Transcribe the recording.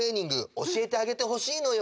おしえてあげてほしいのよ。